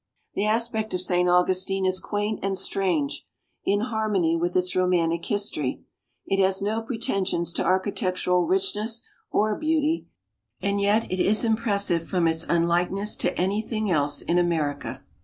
The aspect of St. Augustine is quaint and strange, in harmony with its romantic history. It has no pretensions to architectural richness or beauty; and yet it is impressive from its unlikeness to any thing else in America.